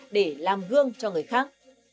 để làm gương cho người khác